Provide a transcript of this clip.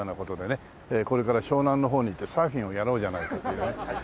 これから湘南の方に行ってサーフィンをやろうじゃないかという。